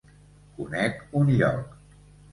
Conec un lloc.